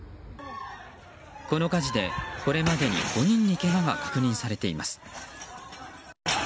この火事で、これまでに５人にけがが確認されています。